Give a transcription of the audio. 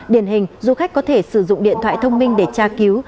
điển hình du khách có thể sử dụng điện thoại thông minh để tra cứu